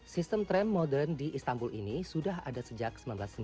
sistem tram modern di istanbul ini sudah ada sejak seribu sembilan ratus sembilan puluh